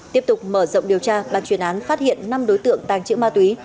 tiếp tục mở rộng điều tra ban chuyên án phát hiện năm đối tượng tàng trữ ma túy